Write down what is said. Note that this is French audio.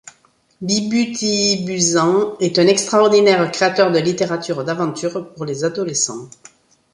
Bibhutibhusan est un extraordinaire créateur de littérature d'aventures pour les adolescents.